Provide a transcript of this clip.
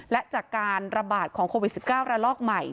และจากการระบาดของโควิด๑๙ระลอกใหม่